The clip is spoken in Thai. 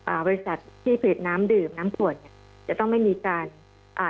อ่าบริษัทที่ผลิตน้ำดื่มน้ำขวดเนี้ยจะต้องไม่มีการอ่า